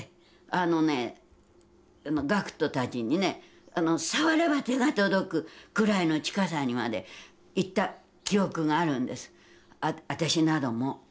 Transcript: あのね学徒たちにね触れば手が届くくらいの近さにまで行った記憶があるんです私なども。